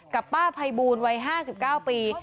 กับป้าไพบูนวัย๕๙ปี